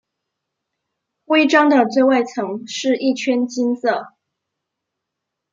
徽章的最外层是一圈金色。